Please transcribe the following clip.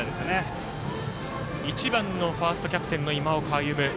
バッター１番のファーストキャプテンの今岡歩夢。